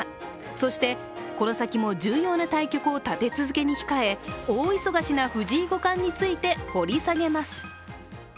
そして、この先も重要な対局を立て続けに控え大忙しな藤井五冠について掘り下げます。